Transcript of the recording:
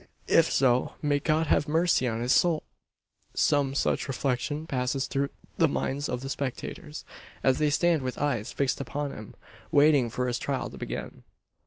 If so, may God have mercy on his soul! Some such reflection passes through the minds of the spectators, as they stand with eyes fixed upon him, waiting for his trial to begin.